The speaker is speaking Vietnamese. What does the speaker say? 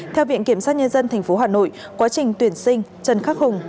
theo viện kiểm sát nhân dân tp hà nội quá trình tuyển sinh trần khắc hùng